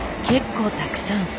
結構たくさん。